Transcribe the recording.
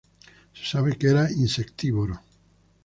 Se sabe que era insectívoro.